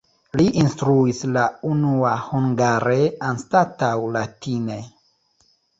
Li instruis la unua hungare anstataŭ latine.